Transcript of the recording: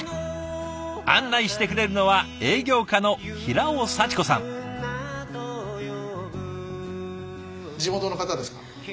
案内してくれるのは地元の方ですか？